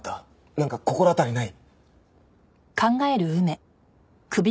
なんか心当たりない？